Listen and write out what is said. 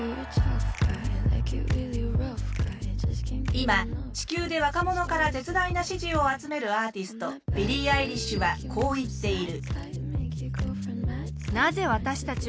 今地球で若者から絶大な支持を集めるアーティストビリー・アイリッシュはこう言っている。